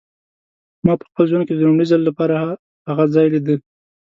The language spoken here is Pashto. ما په خپل ژوند کې د لومړي ځل لپاره هغه ځای لیده.